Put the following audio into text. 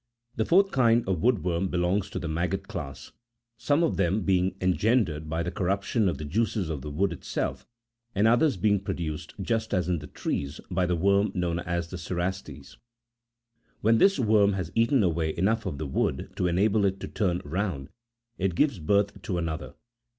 The fourth kind of wood worm belongs to the maggot class ; some of them being engendered by the corruption of the juices of the wood itself, and others being produced, just as in the trees, by the worm known as the cerastes.40 "When this worm has eaten away enough of the wood to enable it to turn round, it gives birth to another.